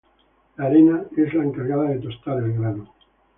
La arena es la encargada de tostar el grano.